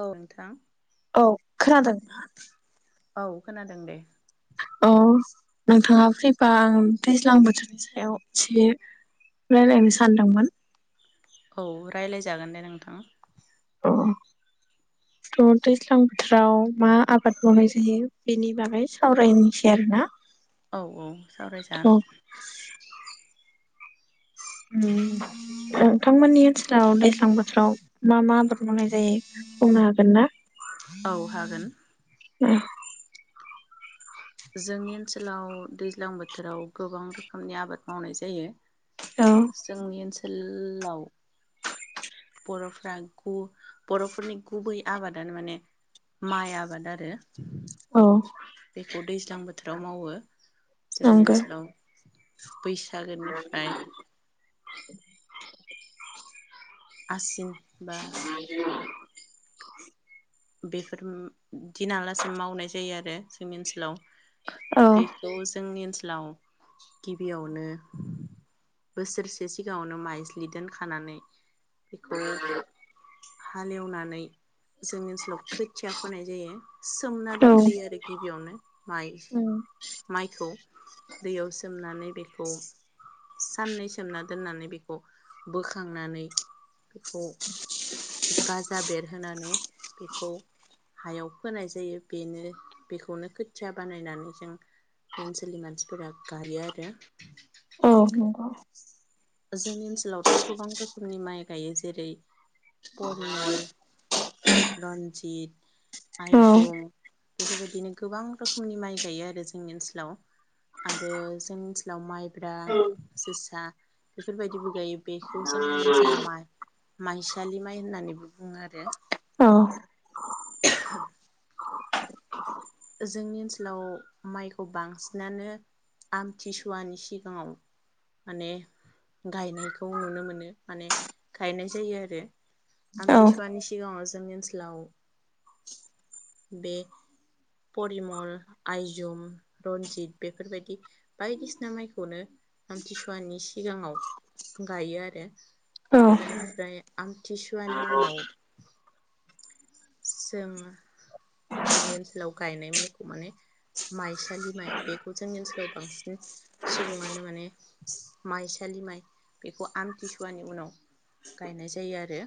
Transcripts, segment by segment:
औ नोंथां औ खोनादों औ खोनादों दे औ नोंथाङा फ्रिबा आं दैज्लां बोथोरनि सायाव एसे रायलायनो सानदोंमोन। औ रायलायजागोन दे नोंथां। थ दैज्लां बोथोराव मा आबाद मावनाय जायो बेनि बागै सावरायनोसै आरोना। औ औ सावरायजागोन। औ [inaudible] नोंथांमोननि ओनसोलाव दैज्लां बोथोराव मा मा आबाद मावनाय जायो बुंनो हागोन ना? औ हागोन औ जोंनि ओनसोलाव दैज्लां बोथोराव गोबां रोखोमनि आबाद मावनाय जायो। जोंनि ओनसोल लाव बर'फ्रा बर'फोरनि गुबै आबादानो माने माइ आबाद आरो औ बेखौ दैज्लां बोथोराव मावो जोंनि नंगौ ओनसोलाव बैसागोनिफ्राय आसिन बा [unintelligible] [inaudible] बेफोर दिना लासे मावनाय जायो आरो जोंनि ओनसोलाव औ बेखौ जोंनि ओनसोल लाव गिबियावनो बोसोरसे सिगाङावनो माइज्लि दोनखानानै बेखौ हाले एवनानै जों [unintelligible] खोथिया फोनाय जायो सोमना औ दोनग्रोयो आरो कि गिबियावनो माइ माइखौ दैयाव सोमनानै बेखौ साननै सोमना दोननानै बेखौ बोखांनानै बेखौ गाजा बेरहोनानै बेखौ हायाव फोनाय जायो बेनो बेखौनो खोथिया बानायनानै जों ओनसोलनि मानसिफोरा गायो आरो औ [inaudible] जोंनि ओनसोलावथ गोबां रोखोमनि माइ गायो जेरै परिमल रन्जित औ आइजं बेफोरबायदिनो गोबां रोखोम खुमनि माइ गायो आरो जोंनि ओनसोलाव आरो जोंनि ओनसोलाव माइ माइब्रा जोसा बेफोरबायदिबो गायो बेखौ जों ओनसोलाव माइ माइसालि माइ होननानैबो बुङो आरो औ [inaudible] जोंनि ओनसोलाव माइखौ बांसिनानो आमथिसुवानि सिगाङाव माने गायनायखौ नुनो मोनो माने गायनाय जायो आरो औ आमथिसवानि सिगाङाव जोंनि ओनसोलाव बे परिमल आइजुम रन्जित बेफोरबायदि बायदिसिना माइखौनो आमथिसुवानि सिगाङाव गायो आरो बेनिफ्रायो आमथिसुवानि उनाव जोंनि ओनसोलाव गायनाय माइखौ माने माइसालि माइ बेखौ जोंनि ओनसोलाव बांसिन सुबुङानो माने माइसालि माइ बेखौ आमथिसुवानि उनाव गायनाय जायो आरो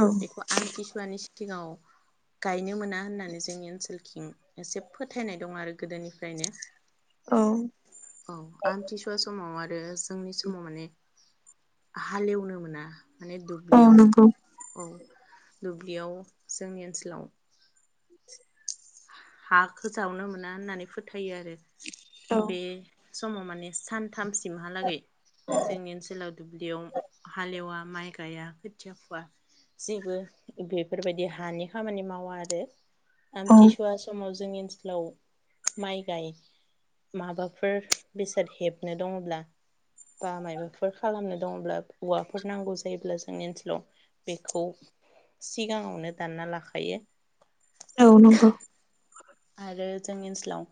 औ बेखौ आमथिसुवानि सि सिगाव गायनो मोना होननानै जोंनि ओनसोलखं एसे फोथायनाय दं आरो गोदोनिफ्रायनो औ औ आमथिसुवा समाव आरो जोंनि समाव माने हालेवनो मोना माने द औ दुब्लियाव नंगौ औ दुब्लियाव जोंनि ओनसोलाव हाखौ जावनो मोना होननानै फोथायो आरो औ बे समाव माने सानथामसिमहालागै जोंनि ओनसोलाव दुब्लियाव हालेवा माइ गाया खोथिया फुवा जेबो बेफोरबायदि हानि खामानि मावा आरो औ आमथिस थुवा समाव जोंनि ओनसोलाव माइ गाय माबाफोर बेसाद हेबनो दङब्ला बा माबाफोर खालामनो दङब्ला औवाफोर नांगौ जायोब्ला जोंनि ओनसोलाव बेखौ सिगाङावनो दानना लाखायो औ नंगौ आरो जोंनि ओनसोलाव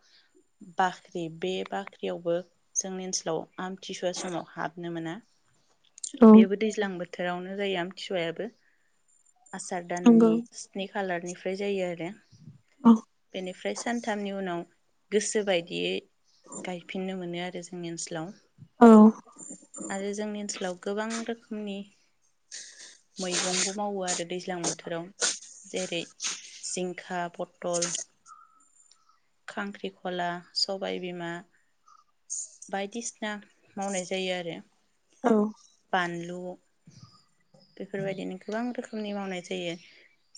बाख्रि बे बाख्रियावबो जोंनि ओनसोलाव आमथिसुवा समाव हाबनो मोना औ बेबो दैज्लां बोथोर बोथोरावनो जायो आमथिसवायाबो आसार नंगौ दाननि स्नि खालारनि ओमफ्राय जायो आरो अ बेनिफ्राय सानथामनि उनाव गोसो बायदियै गायफिननो मोनो आरो जों जोंनि ओनसोलाव औ आरो जोंनि ओनसोलाव गोबां रोखोमनि मैगंबो मावो आरो दैज्लां बोथोराव जेरै जिंखा पटल खांख्रिखला, सबायबिमा बायदिसिना मावनाय जायो आरो औ बानलु बेफोरबायदिनो गोबां रोखोमनि मावनाय जायो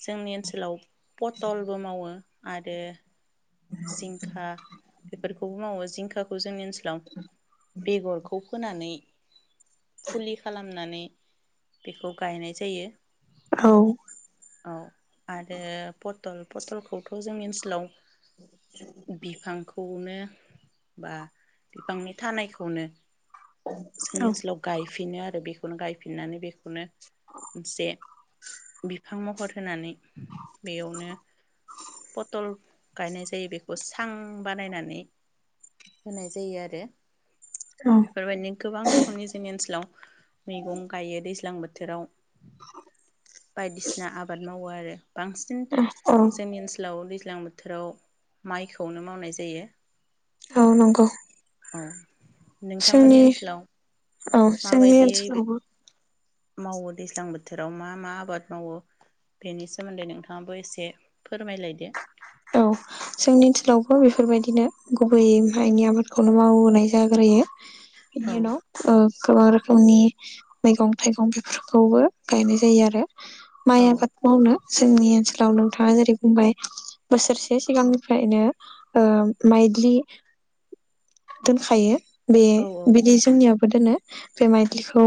जोंनि ओनसोलाव पथलबो मावो आरो जिंखा बेफोरखौबो मावो जिंखाखौ जोंनि ओस बेगरखौ फोनानै फुलि खालामनानै बेखौ गायनाय जायो औ औ आरो पत टल पटलखौथ' जोंनि ओन्सलाव बिफांखौनो बा बिफांनि थानायखौनो जोंनि औ ओन्सोलाव गायफिनो आरो बेखौ गायफिननानै बेखौनो नसे बिफां महर होनानै बेयावनो पटल गायनाय जा जायो बेखौ सां बानायनानै होनाय जायो आरो बेफोरबायदिनो गोबां रोखोमनि जोंनि ओन्सोलाव मैगं गायो दैज्लां बोथोराव बायदिसिना आबाद मावो आरो बांसिन औ जोंनि ओन्सोलाव लां बोथोराव माइखौनो मावनाय जायो औ नंगौ औ नोंथांमोननि जोंनि ओनसोलाव औ जोंनि माबायदियै ओनसोलावबो मावो दैज्लां बोथोराव मा मा आबाद मावो बेनि सोमोन्दै नोंथाङाबो एसे फोरमायलायदो। औ जोंनि ओनसोलावबो बेफोरबायदिनो गुबैयै माइनि आबादखौनो मावोनाय जाग्रोयो। औ [unintelligible] गोबां रोखोमनि मैगं थाइगं बेफोरखौबो गायनाय जायो आरो। माइ औ आबाद मावनो जोंनि ओनसोलाव नोंथाङा जेरै बुंबाय बोसोरसे सिगांनिफ्रायनो ओ माइदलि दोनखायो बे औ बिदि जोंनियाव बो दोनो बे माइदलिखौ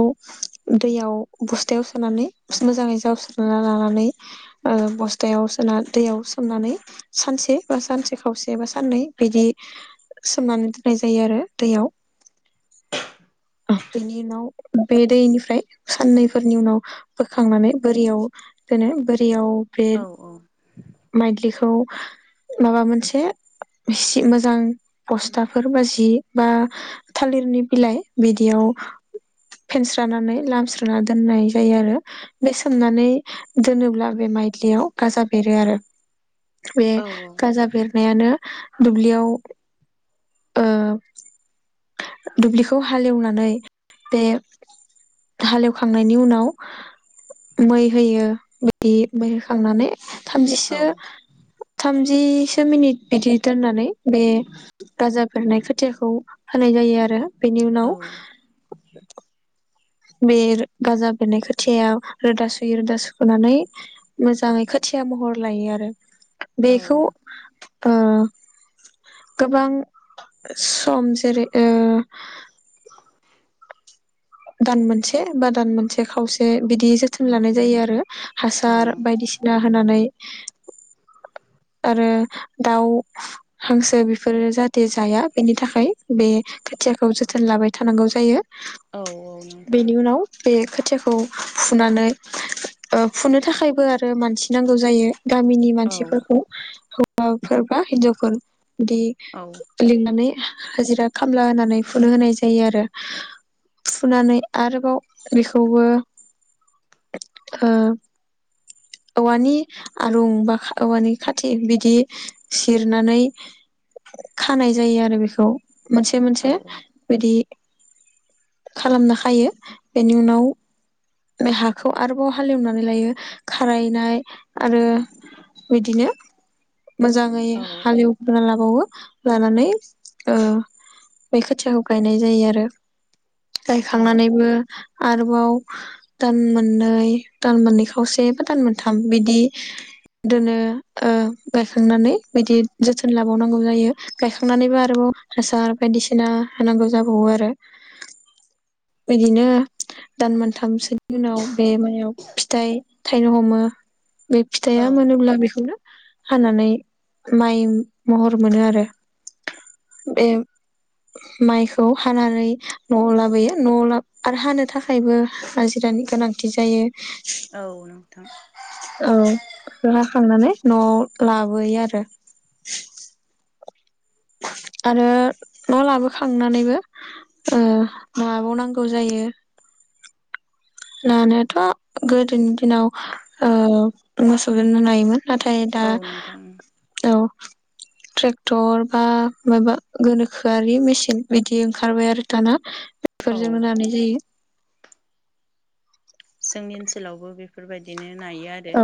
दैयाव बस्थायाव सोनानै मोजाङै जावस्रोना लानानै ओ बस्थायाव सोना दैयाव सोमनानै सानसे बा सानसे खावसे बा साननै बिदि सोमनानै दोननाय जायो आरो दैयाव। अह बेनि उनाव बे दैनिफ्राय साननैफोरनि उनाव बोखांनानै बोरियाव दोनो बोरियाव औ औ। माइदलिखौ माबा मोनसे इसि मोजां बस्थाफोर बा जि बा थालिरनि बिलाइ बिदियाव फेनस्रानानै लामस्रोना दोननाय जायो आरो बे सोमनानै दोनोब्ला बे माइदलियाव गाजा बेरो आरो। बे औ गाजा बेरनायानो दुब्लियाव ओ दुब्लिखौ हालेवनानै बे हालेवखांनायनि उनाव मै होयो [unintelligible] मै होखांनानै थामजि। औ [unintelligible] थाम। जिसो मिनिट बिदि दोननानै बे गाजा बेरनाय खोथियाखौ फोनाय जायो आरो। बेनि उनाव बे गाजा बेरनाय खोथियाया रोदा सुयो रोदा सुखोनानै मोजाङै खोथिया महर लायो आरो। औ बेखौ ओ गोबां सम जेरै ओ दान मोनसे बा दान मोनसे खावसे बिदि जोथोन लानाय जायो आरो। औ हासार बायदिसिना होनानै आरो दाउ हांसो बेफोरो जाहाथे जाया बेनि थाखाय बे खोथियाखौ जोथोन लाबाय थानांगौ जायो। औ नोंथां बेनि उनाव बे खोथियाखौ फुनानै ओ फुनो थाखायबो आरो मानसि नांगौ जायो। गामिनि औ मानसिफोरखौ हौवाफोर बा हिन्जावफोर। औ बिदि लिंनानै। हाजिरा खामला होनानै फुनो होनाय जायो आरो फुनानै आरोबाव बेखौबो ओ औवानि आरं बा औवानि खाथि बिदि जिरनानै खानाय जायो आरो बेखौ। मोनसे मोनसे औ बिदि खालामना खायो बेनि उनाव बे हाखौ आरोबाव हालेवनानै लायो खारायनाय आरो बिदिनो मोजाङै औ हालेवग्रोना लाबावो। लानानै ओ बै खोथियाखौ गायनाय जायो आरो। औ गायखांनानैबो। आरोबाव दान मोननै दान मोननै खावसे बा दान मोनथाम बिदि दोनो। ओ गायखांनानै बिदि जोथोन लाबावनांगौ जायो गायखांनानैबो आरोबाव हासार बायदिसिना होनांगौ जाबावो आरो बिदिनो दान मोनथामसोनि उनाव बे मायाव फिथाइ थायनो हमो। बे औ फिथाइआ मोनोब्ला बेखौनो हानानै माइ महर मोनो आरो बे माइखौ हानानै न'आव लाबोयो न'आव ला आरो हानो थाखायबो हाजिरानि गोनांथि जायो। औ नोंथां औ रा खांनानै न'आव लाबोयो आरो आरो न' लाबोखांनानैबो ओ‌ नाबावनांगौ जायो नानायाथ' गोदोनि दिनाव ओ मोसौजोंनो नायोमोन। नाथाय दा औ नोंथां औ ट्रेक्टर बा माबा गोनोखोआरि मेसिन बिदि ओंखारबाय आरो दाना। औ बेफोरजोंनो नानाय जायो। [inaudible] जोंनि ओनसोलावबो बेफोरबायदिनो नायो आरो औ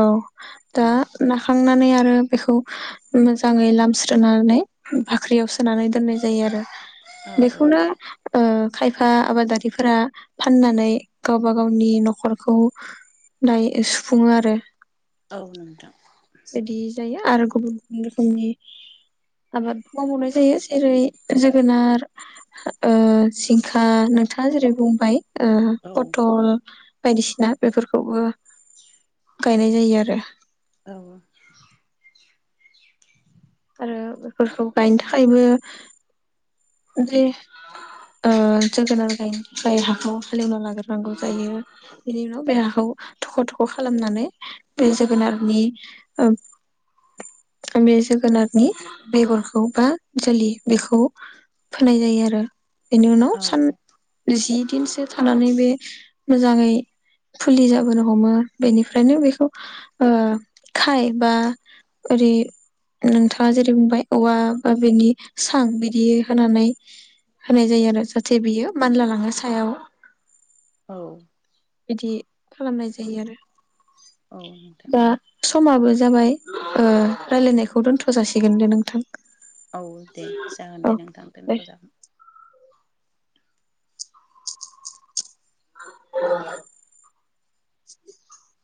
औ औ दा नाखांनानै आरो बेखौ मोजाङै लामस्रनानै बाख्रियाव सोनानै दोननाय जायो आरो औ बेखौनो औ ओ खायफा आबादारिफोरा फाननानै गावबा गावनि न'खरखौ दायो। सुफुङो आरो औ नोंथां। बिदि जायो आरो गुबुन गुबुन रोखोमनि आबाद मावबावनाय जायो जेरै जोगोनार ओ जिंखा नोंथाङा जेरै बुंबाय ओ औ पटल। बायदिसिना बेफोरखौबो गायनाय जायो आरो। [inaudible] आरो बेफोरखौ गायनो थाखायबो जे ओ जोगोनार गायनाय हाखौ हालेवना लागोरनांगौ जायो बेनि उनाव बे हाखौ थख' थख' खालामनानै बे जोगोनारनि ओ बे जोगोनारनि बेगरखौ बा जोलि बेखौ फोनाय जायो आरो। बेनि उनाव औ सान जि दिनसो थानानै बे मोजाङै फुलि जाबोनो हमो बेनिफ्रायनो बेखौ ओ खाय बा ओरै नोंथाङा जेरै बुंबाय औवा बा बेनि सां बिदि होनानै होनाय जायो आरो जाहाथे बियो मानला लाङो सायाव। औ। बिदि खालामनाय जायो आरो। औ नोंथां दा समाबो जाबाय ओं राय्लायनायखौ दोनथ' जासिगोन दे नोंथां। औ दे जागोन औ दे नोंथां। [inaudible] दे दोनथ'जागोन [unintelligible]